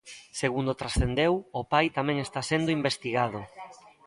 Segundo transcendeu, o pai tamén está sendo investigado.